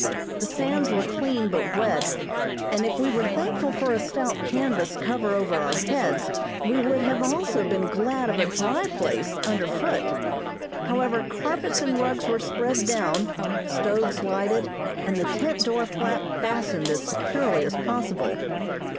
The sands were clean but wet, and if we were thankful for a stout canvas cover over our heads we would have also been glad of a dry place under foot. However, carpets and rugs were spread down, stoves lighted, and the tent door flap fastened as securely as possible.